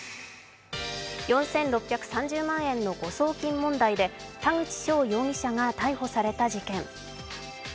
４６３０万円の誤送金問題で田口翔容疑者が逮捕された事件。